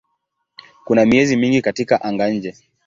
Kuna miezi mingi katika anga-nje.